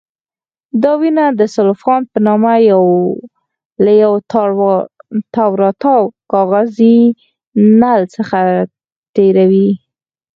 دا وینه د سلوفان په نامه له یو تاوراتاو کاغذي نل څخه تېروي.